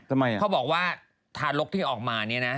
เพราะเธอบอกว่าทารกที่ออกมานี่นะ